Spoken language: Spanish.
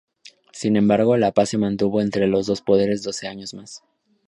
Sin embargo, la paz se mantuvo entre los dos poderes doce años más.